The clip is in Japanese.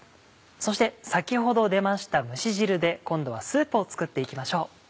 そして先ほど出ました蒸し汁で今度はスープを作って行きましょう。